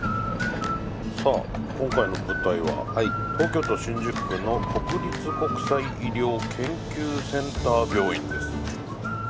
さあ、今回の舞台は東京都新宿区の国立国際医療研究センター病院です。